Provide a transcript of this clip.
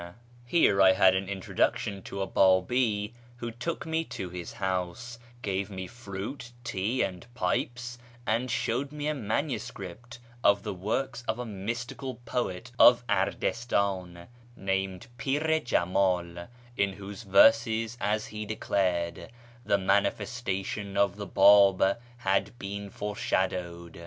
Here I had an introduction to a B;ibi, who took me to his house, gave me fruit, tea, and pipes, and showed me a manu script of the works of a mystical poet of Ardistan named Pir i Jemal, in whose verses, as he declared, the " manifesta tion " of the Bab had been foreshadowed.